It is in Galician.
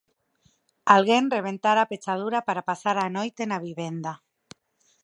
Alguén rebentara a pechadura para pasar a noite na vivenda.